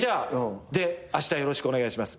「あしたよろしくお願いします」